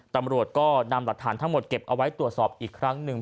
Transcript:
ตำรวจก็นำหลักฐานทั้งหมดเก็บเอาไว้ตรวจสอบอีกครั้งหนึ่ง